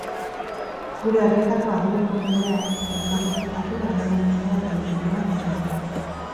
Gure herrietako adineko jendea elkarrizketatu eta euren euskara eta bizipenak jasotzea.